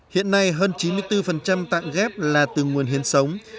hiện nay hơn chín mươi bốn tạng ghép là từ nguồn hiến sống